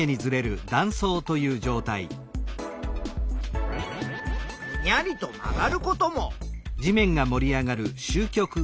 ぐにゃりと曲がることも。